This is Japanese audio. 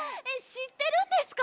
しってるんですか？